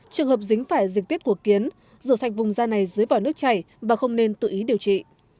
trường hợp dính phải diệt tiết của kiến rửa sạch vùng da này dưới vỏ nước chảy và không nên tự ý điều trị